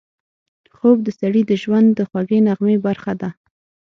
خوب د سړي د ژوند د خوږې نغمې برخه ده